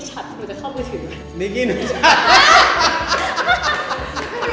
ฉันเป็นนิกคี้นาชัตร์